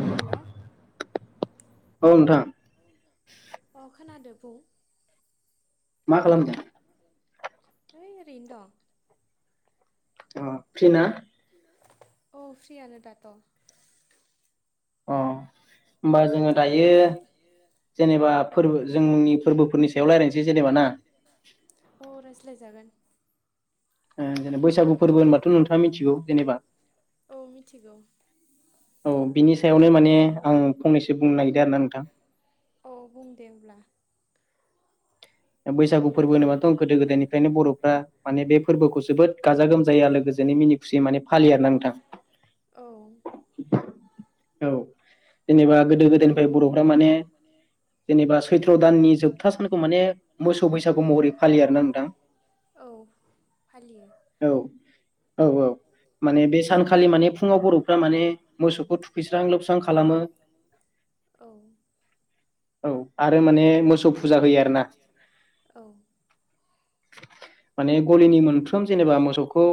अ हेल' औ नोंथां अ खोनादो बुं मा खालामदों? ओइ ओरैनो दं अ फिना औ फ्रियानो दाथ' अ होमबा जोङो दायो जेनेबा फोरबो जोंनि फोरबोफोरनि सायाव रायजलायनोसै जेनेबा ना अ जेने बैसागु फोरबो होनबाथ' नोंथाङा मिथिगौ जेनेबा औ बिनि सायावनो माने आं फंनैसो बुंनो नागिरदों आरो ना नोंथां औ बुं दे होमब्ला बैसागु फोरबो होनोबाथ गोदो गोदायनिफ्रायनो बर'फ्रा माने बे फोरबोखौ जोबोद गाजा गोमजायै आलो गोजोनै मिनि नि खुसियै माने फालि आरोना नोंथां औ औ जेनेबा गोदो गोदायनिफ्राय बर'फ्रा माने जेनेबा सैथ्र' दाननि जोबथा सानखौ माने [inaudible] औ फालियो औ औ माने बे सानखालि माने फुङाव बर'फ्रा माने मोसोखौ थुखैस्रां लोबस्रां खालामो औ औ आरो माने मोसौ फुजा होयो आरो ना औ माने गलिनि मोनफ्रोम जेनेबा मोसौखौ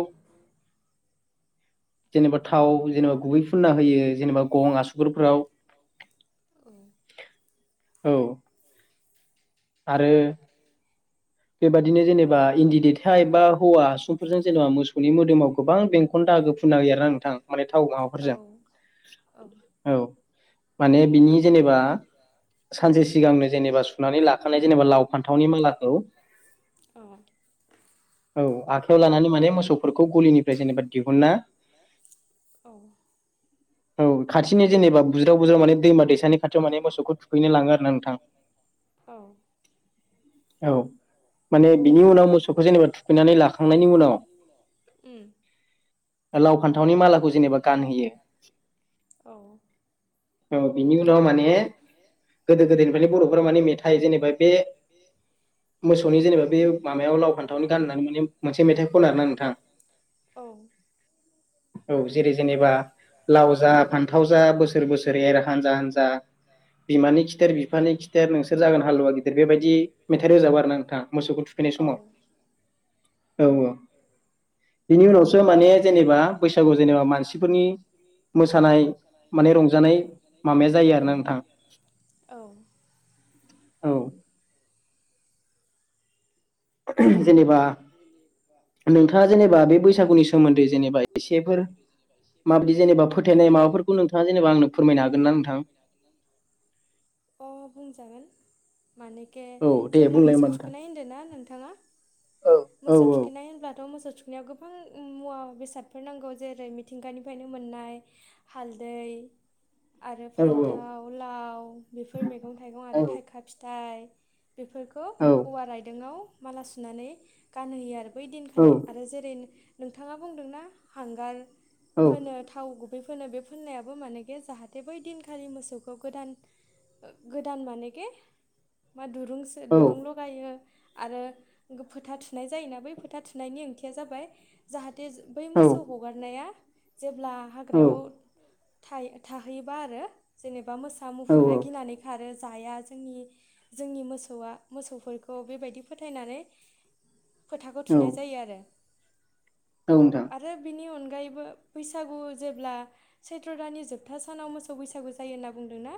जेनेबा थाव जेनेबा गुबै फुनना होयो जेनेबा गं आसुगुरफ्राव औ आरो बेबादिनो जेनेबा इन्दि देथाइ बा हौवा हासुंफोरजों जेनेबा मोसौनि मोदोमाव गोबां बेंखन दागो फुनना होयो आरो ना नोंथां माने थाव माबाफोरजों औ। माने बिनि जेनेबा सानसे सिगांनो जेनेबा सुनानै ला जेनेबा लाव फान्थावनि मालाखौ। औ आखाइायाव लानानै माने मोसौफोरखौ गलिनिफ्राय जेनेबा दिहुनना। औ औ खाथिनि जेनेबा बुज्राव बुज्राव माने दैमा दैसानि खाथियाव माने मोसौखौ थुखैनो लाङो आरो ना नोंथां। [inaudible] औ माने बिनि उनाव मोसौखौ जेनेबा थुखैनानै लाखांनायनि उनाव। उम लाव फान्थावनि मालाखौ जेनेबा गानहोयो औ बिनि उ नाव माने गोदो गोदायनिफ्रायनो बरफोरा माने मेथाइ जेनेबा बे मोसौनि जेनेबा बे माबायाव लाव फान्थावनि गाननानै माने मोनसे मेथाइ खनो आरो ना नोंथां‌। औ औ जेरै जेनेबा लाव जा फान्थाव जा बोसोर बोसोर रेर हानजा हानजा बिमानि खिथेर बिफानि खिथेर नोंसोर जागोन हालुवा गिदिर बेबायदि मेथाइ रोजाबो आरो ना नोंथां मोसौखौ थुख नाय समाव औ औ बिनि उनावसो माने जेनेबा बैसागु जेनेबा मानसिफोरनि। मोसानाय माने रंजानाय। माबाया जायो आरो ना नोंथां औ। जेनेबा नोंथाङा जेनेबा बे बैसागुनि सोमोन्दै जेनेबा एसेफोर माबायदि जेनेबा फोथायनाय माबाफोर। नोंथाङा जेनेबा आंनो फोरमायनो हागोनना नोंथां। ओ बुंजागोन। मानके जेब्ला मोसौ थुखैनाय होनदों ना नोंथाङा मोसौ थुखैनाय होनब्ला मोसौ थुखैनायाव गोबां मुवा बेसादफोर नांगौ जेरै मिथिंगानिफ्रायनो मोननाय हाल दैै आरो फान्थाव लाव बेफोर मेगं थाइगं आरो थाइखा फिथाइ। बेफोरखौ औवा रायदोंआव माला सुनानै गानहोयो आरो। बै दिनखालि आरो जेरै नोंथाङा बुंदोंना हांगार फोनो थाव गु बै फोनो बे फोननायाबो मानेके जाहाथे बै दिनखालि मोसौखौ गोदान। गोदान मानेके दुरुंसे दुरुं लगायो आरो गो-फोथा थु नाय जायोना बै फोथा थुनायनि ओंथिया जाबाय जाहाथे बै मोसौ हगारनाया। जेब्ला हाग्रायाव थाय-थाहैयोबा आरो जेने बा मोसा मुफुरा गिनानै खारो। जाया जोंनि जोंनि मोसौवा मोसौफोरखौ बेबायदि फोथायनानै। फोथाखौ थुनाय जायो आरो। आरो बिनि अन गायैबो बैसागु जेब्ला सैथ्र दानानि जोबथा सानाव मोसौ बैसागु जायो होनना बुंदोंना।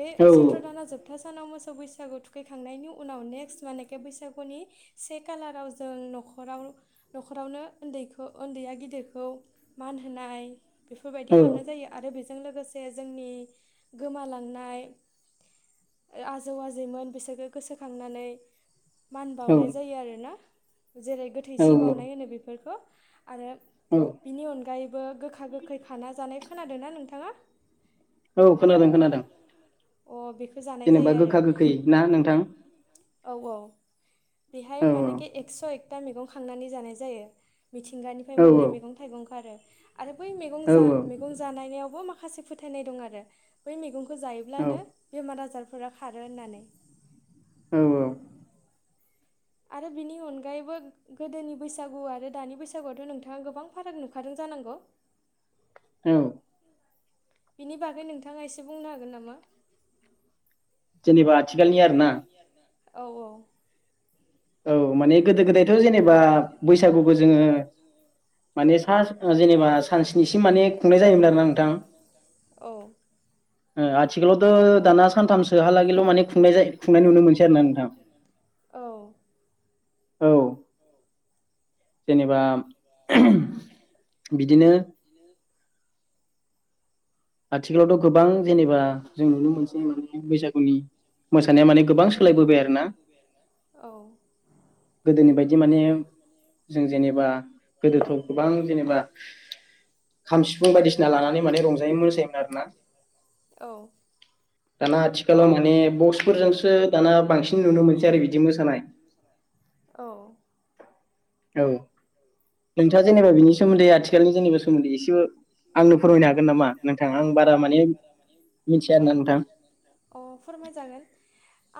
बे चैत्र दाना जोबथा सानाव मोसौ बैसागु थुखैखांनायनि उनाव नेक्स्ट मानेखि बैसागुनि से खालाराव जों नखाराव नखरावनो ओनदैखो-उन्दैया गिदिरखौ मान होनाय बेफोर बायदि खालामनाय जायो आरो बेस जों लोगोसे जोंनि गोमालांनाय आजौ आजैमोन बिसोरखौ गोसोखांनानै मान बावनाय जा। आरोना जेरै गोथै सि बावउनाय होनो बेफोरखौ आरो बिनि अनगायैबो गोखा गोखै खाना जानाय खोनादों ना नोंथाङा। औ खोनादों खोनादों। अ बि जेनेबा गोखा गोखै, ना नोंथां? औ औ, बेहाय मानेखि एक्स' एकथा मैगं खांनानै जानाय जायो। मिथिंगानिफाय मोननाय मैगं थाइगंखो आरो। आरो बै मैगं जा मैगं जानायनायावबो माखासे फोथायनाय दं आरो बै मैगं खो जायोब्लानो बेमार आजारफोरा खारो होननानै। औ औ। आरो बिनि अनगायैबो गोदोनि बैसागु आरो दानि बैसागुआवथ' नोंथाङा गोबां फाराग नुखादों जा जानांग'? औ। बिनि बागै नोंथाङा एसे बुंनो हागोन नामा? जेनेबा आथिखालनि आरोना? औ औ। औ माने गोदो गोदायथ' जेनेबा बैसागुखो जोङो माने सा जेनेबा सान स्नि माने खुंनाय जायोमोन आरोना नोंथां। [inaudible] थिखालावथ' दाना सानथामसोहालागैल' माने खुंनाय जायो खुंनाय नुनो मोनसै आरोना नोंथां। [inaudible] औ। जेनेबा बिदिनो आथिखालावथ' गोबां जेनेबा जों नुनो मोनसै मोने बैसागुनि मोसानाया माने गोबां सोलायबोबाय आरोना। औ। गोदोनि बायदि माने जों जेनेबा गोदोथ' गोबां जेनेबा खाम, सिफुं बायदिसिना लानानै माने रंजायो मो सायोमोन आरोना। आथिखालाव माने बक्सफोरजोंसो दाना बांसिन नुनो मोनसै आरो बिदि मोसानाय। औ। औ। नोंथाङा जेनेबा बिनि सोमोन्दै आथिखालनि जेनेबा सोमोन्दै एसे आंनो फोरमायनो हागोन नामा नोंथां, आं बारा माने अह फोरमाय जागोन।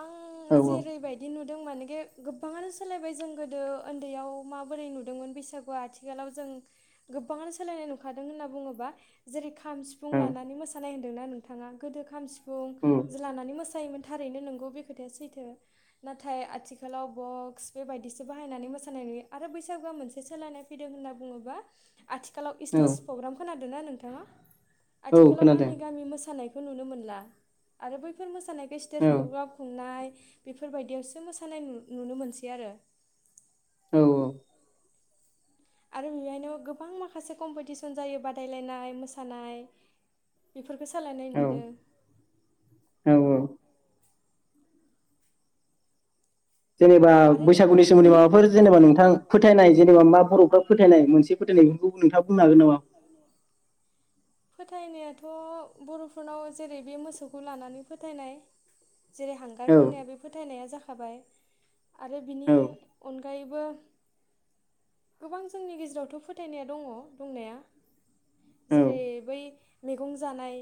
आं ङो जेरैबायदि नुदों मानोखे गोबाङानो सोलायबाय जों गोदो ओन्दैयाव माबोरै नुदोंमोन बैसागु आथि आथिखालाव जों गोब्बाङानो सोलायनाय नुखादों होनना बुङोबा, जेरै खा खाम, सिफुं लानानै मोसानाय होन्दोंना नोंथाङा। गोदो खाम, सिफुं लानानै मोसायोमोन। थारैनो नंगौ बे खोथाया सैथो। नाथाय आथिखालाव बक्स बेबायदिसो बाहायनानै मोसानाय आरो बैसागुआ मोनसे सोलायनाय फैदों होनना बुङोब्ला आथिखालाव इस्टेज प्रग्राम खोनादोना नोंथाङा? आथिखालाव गामि गामि मोसानायखौ नुनो मोनला आरो बैफोर मोसानाय बे इस्टेज प्रग्राम खुंनाय बेफोरबायदियावसो मोसानाय नु-नुनो मोनसै आरो। औ औ। आरो बेहायनो गोबां माखासे कम्पिटिसन जायो बादायलायनाय, मोसानाय। [inaudible] बेफोरखौ सोलायनाय नुदों। जेनेबा बैसागुनि सोमोन्दै माबाफोर जेनेबा नोंथां फोथायनाय जेनेबा मा बर'फ्रा फोथायनाय मोनसे फोथायनाय खौ नोंथांङा बुंनो हागोन नामा? फोथायनायाथ' बर'फोरनाव जेरै बे मोसौखौ लानानै फोथायनाय। जेरै हांगारफोरनाया बे फोथायनाया जाखाबाय आरो बिनि अनगा गायैबो गोबां जोंनि गेजेरावथ' फोथायनाया दंङ, दंनाया। जेरै बै मैगं जानाय।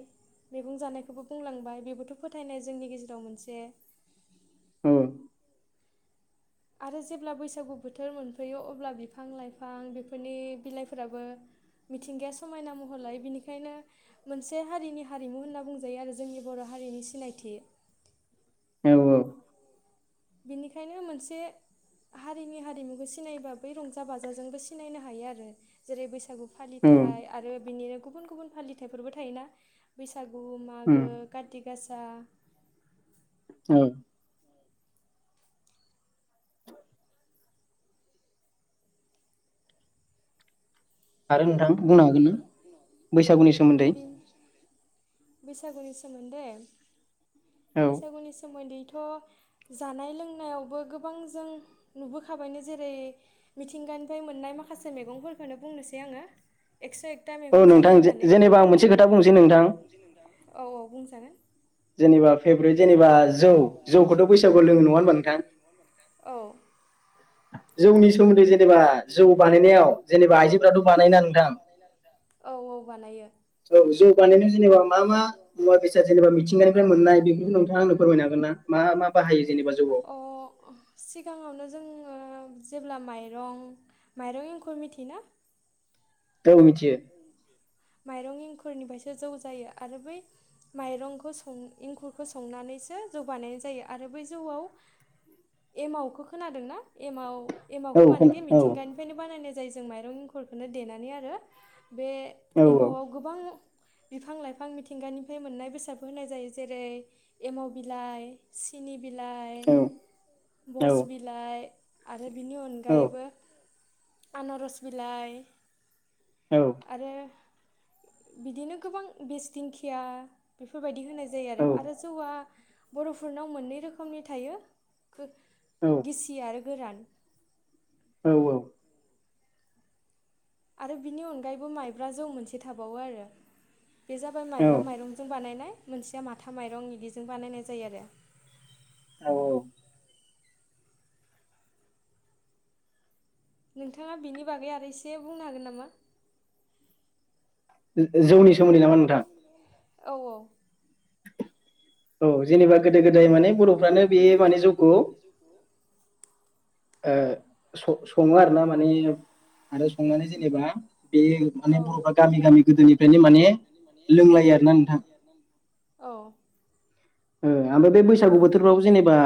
मैगं जानायखौबो बुंलांबाय बेबोथ' फोथायनाय जोंनि गेजेराव मोनसे। औ आरो जेब्ला बैसागु बोथोर मोनफैयो अब्ला बिफां लाइफां बेफोरनि बिलाइफोराबो मिथिंगाया समायना मुह महरलायो बिनिखायनो मोनसे हारिनि हारिमु होनना बुंजायो आरो जोंनि बर' हारिनि सिनायथि औ बेनिखायनो मोनसे हारिनि हारिमुखौ सिनायबा बै रंजा बाजाजोंबो सिनायनो हायो आरो जेरै बैसागु फालिथाइ आरो बिनिनो गुबुन गुबुन फालिथायफोरबो थायोना बैसाग बैसागु मागो काति गासा औ आरो नोंथां बुंनो हागोन ना? बैसागुनि सोमोन्दै बैसागुनि सोमोन्दै बैसागुनि सोमोन्दै [inaudible] जानाय लोंनायावबो गोबां जों नुबोखाबायनो जेरै मिथिंगानिफ्राय मोननाय माखासे मैगंफोरखौनो बुंनोसै आंङो एकस' एकथा मैगं जायो होननानै जेनेबा आं मोनसे खोथा बुंनोसै नोंथां औ औ बुंजागोन जेनेबा फेभ्रेट जेनेबा जौ जौखौथ' बैसागुवाव लोंङो नंङा होनबा नोंथां? औ जौनि सोमोन्दै जेनेबा जौ बानायनायाव जेनेबा आइजोफोराथ' बानायोना नोंथां? बानायो [inaudible] अ सिगांङावनो जों ओ जेब्ला माइरं माइरं एंखुर मिथियोना? औ मिथियो फोरनिफ्रायसो जौ जायो आरो बै माइरंखौ सं इंखुरखौ संनानैसो जौ बानायनाय जा जायो आरो बै जौआव एमावखौ खोनादोंना? एमाव एमावखौ मानेखि मिथिंगानिफ्रायनो बानायनाय जायो जों माइरं इंखुरखौनो देनानै आरो बे एमावआव गोबां बिफां लाइफां मिथिंगानिफ्राय मोननाय बेसादफोर होनाय जायो जेरै एमाव बिलाइ सिनि बिलाइ भस बिलाइ आरो बिनि अनगायैबो आनारस बिलाइ आरो बिदिनो गोबां बिस दिंखिया बेफोरबायदि होनाय जा जायो आरो आरो जौआ बर'फोरनाव मोननै रोखोमनि थायो गिसि आरो गोरान औ औ आरो बिनि अनगायैबो माइब्रा जौ मोनसे थाबावो आरो बे जाबाय माइब्रा माइरंजों बानायनाय मोनसेया माथा माइरं बिदिजों बानायनाय जायो आरो औ नोंथाङा बिनि बागै आरो इसे बुंनो हागोन नामा जौनि सोमोन्दै नामा नोंथां औ औ औ जेनेबा गोदो गोदाय माने बर'फ्रानो बे माने जौखौ सङो आरो ना माने आरो संनानै जेनेबा बे माने बर'फ्रा गामि गामि गोदोनिफ्रायनो माने लोंलायो आरोना नोंथां ओमफ्राय बे बैसागु बोथोरफ्राव जेनेबा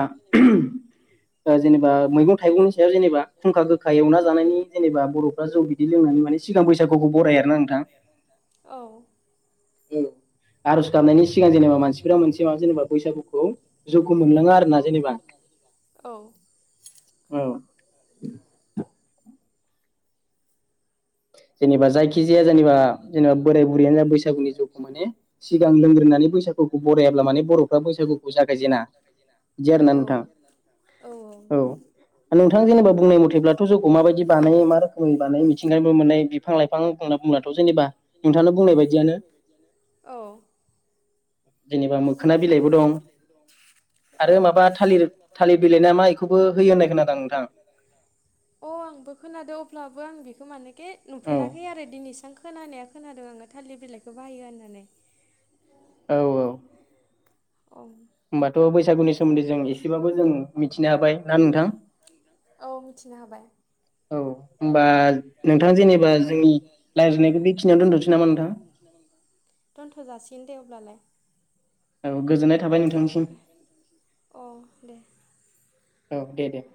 जेनेबा मैगं थाइगंनि सायाव जेनेबा खुंखा गोखा एवना जानायनि जेनेबा बर'फ्रा जौ बिददि लोंनानै मे सिगां बैसागुखौ बराय आरो ना नोंथां औ आर'ज गाबनायनि सिगां जेनेबा मानसिफोरा मोनसे माब जेनेबा बैसागुखौ जौखौ मोनलाङा आरो ना जेनेबा औ औ जेनेबा जायखि जाया जेनेबा जेनेबा बोराय बुरैयानो बैसागुनि जौखौ माने सिगां लोंग्रोनानै बैसागु खौ बरायाब्ला माने बर'फ्रा बैसागुखौ जाखाय जेना इदि आरो ना नोंथां औ नोंथां जेनेबा बुंनाय मथेब्लाथ' जौखौ माबायदि बानाय मा रोखोमनि बानाय मिथिंगायबो मोननाय बिफां लाइफां बुंब्लाथ' जेनेबा नोंथाङानो बुंनाय बायदियानो जेनेबा मोखोना बिलाइबो दं आरो माबा थालिर थालिर बिलाइ ना मा एखौबो होयो होननाय खोनादों आं नोंथां अ आंबो खोनादों अब्लाबो आं बेखौ मानेखे नुफेराखै आरो दिनैसां खोनानाया खोनादों आङो थालिर बिलाइखौ बाहायो होननानै औ औ होमबाथ' बैस औ मिथिनो हाबाय औ बा नोंथां जेनेबा जोंनि रायज्लायनायखौ बेखिनियावनो दोनथ'नोसै नामा नोंथां? दोनथ' जासिगोन दे अब्लालाय औ गोजोननाय थाबाय नोंथांनिसिम औ दे दे।